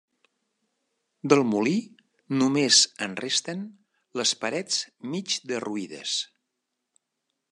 Del molí només ens resten les parets mig derruïdes.